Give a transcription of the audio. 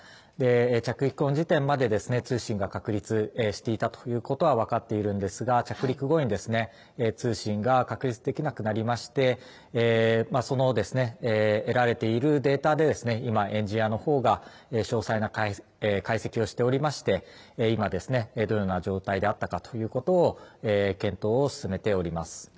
着陸の時点まで通信が確立していたということは分かっているんですが、着陸後に通信が確立できなくなりまして、その得られているデータで今、エンジニアのほうが詳細な解析をしておりまして、今どのような状態であったかということを検討を進めております。